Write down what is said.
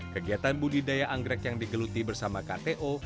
kegiatan budidaya anggrek yang digeluti bersama kto